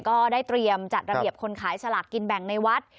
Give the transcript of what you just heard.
ก็ได้เตรียมจัดระเบียบคนขายสลากกินแบ่งในวัด